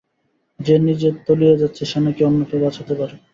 যে নিজে তলিয়ে যাচ্ছে সে নাকি অন্যকে বাঁচাতে পারে!